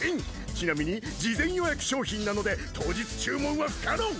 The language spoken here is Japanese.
ちなみに事前予約商品なので当日注文は不可能！